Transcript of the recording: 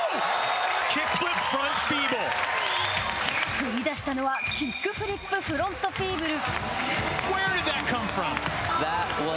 繰り出したのはキックフリップ・フロントフィーブル。